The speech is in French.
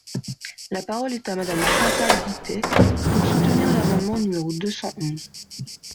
La parole est à Madame Chantal Guittet, pour soutenir l’amendement numéro deux cent onze.